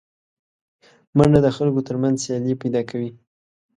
منډه د خلکو تر منځ سیالي پیدا کوي